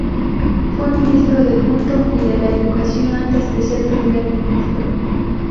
Fue Ministro del Culto y de la Educación antes de ser Primer Ministro.